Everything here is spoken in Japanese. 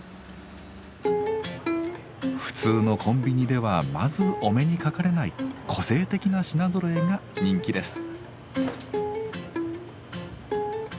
普通のコンビニではまずお目にかかれない個性的な品ぞろえが人気です。